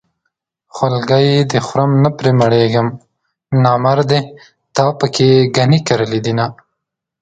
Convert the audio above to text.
خولګۍ دې خورم نه پرې مړېږم نامردې تا پکې ګني کرلي دينه